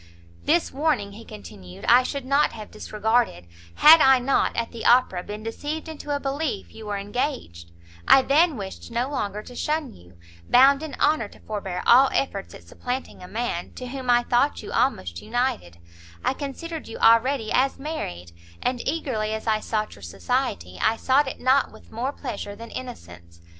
"This warning," he continued, "I should not have disregarded, had I not, at the Opera, been deceived into a belief you were engaged; I then wished no longer to shun you; bound in honour to forbear all efforts at supplanting a man, to whom I thought you almost united, I considered you already as married, and eagerly as I sought your society, I sought it not with more pleasure than innocence.